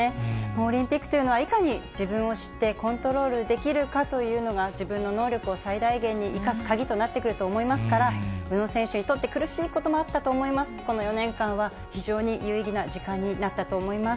オリンピックというのはいかに自分を知ってコントロールできるかというのが、自分の能力を最大限に生かす鍵となってくると思いますから、宇野選手にとって苦しいこともあったと思います、この４年間は非常に有意義な時間になったと思います。